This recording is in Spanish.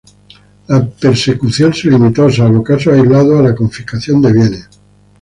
La persecución se limitó, salvo casos aislados, a la confiscación de bienes.